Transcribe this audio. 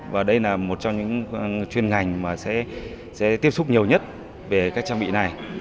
và đây là một trong những chuyên ngành mà sẽ tiếp xúc nhiều nhất về các trang bị này